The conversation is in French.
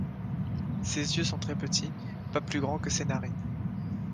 Ses yeux sont très petits, pas plus grands que ses narines.